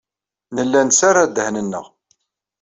Nella nettarra ddehn-nneɣ.